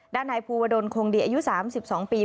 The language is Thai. นายภูวดลคงดีอายุ๓๒ปี